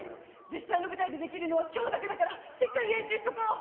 実際の舞台でできるのは今日だけだからしっかり練習しとこう！